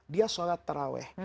dia sholat taraweh